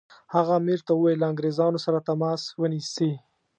هغه امیر ته وویل له انګریزانو سره تماس ونیسي.